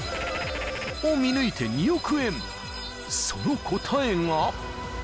［その答えが］